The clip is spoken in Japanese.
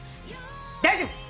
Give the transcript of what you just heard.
大丈夫。